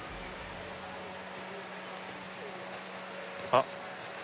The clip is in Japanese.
あっ！